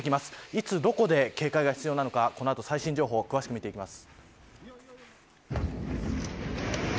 いつ、どこで警戒が必要なのかこの後、最新情報を詳しく見ていきます。